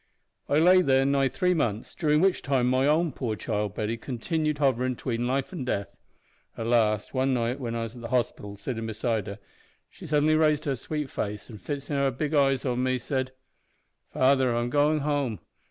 "I lay there nigh three months, durin' which time my own poor child Betty continued hoverin' 'tween life an death. At last, one night when I was at the hospital sittin' beside her, she suddenly raised her sweet face, an fixin' her big eyes on me, said "`Father, I'm goin' home.